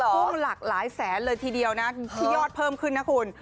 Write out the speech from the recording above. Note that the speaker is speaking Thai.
พุ่งหลากหลายแสนเลยทีเดียวนะที่ยอดเพิ่มขึ้นนะคุณ